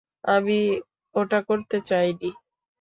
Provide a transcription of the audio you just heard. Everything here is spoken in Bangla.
আমি ওটা করতে চাইনি!